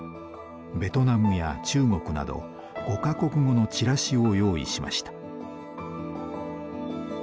ベトナムや中国など５か国語のチラシを用意しました。